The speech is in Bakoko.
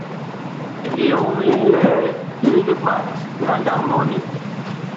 Lioŋ li ŋlɛɛ lig ɓat ngandag mɔni.